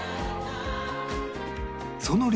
その量